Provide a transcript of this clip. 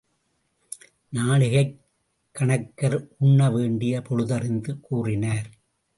நாழிகைக் கணக்கர் உண்ண வேண்டிய பொழுதறிந்து கூறினர்.